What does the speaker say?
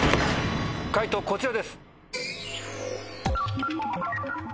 解答こちらです。